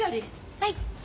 はい。